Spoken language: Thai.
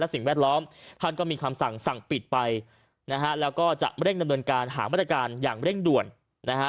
สิ่งแวดล้อมท่านก็มีคำสั่งสั่งปิดไปนะฮะแล้วก็จะเร่งดำเนินการหามาตรการอย่างเร่งด่วนนะฮะ